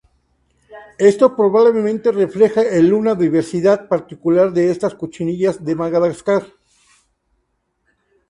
Esto probablemente refleja el una diversidad particular de estas cochinillas en Madagascar.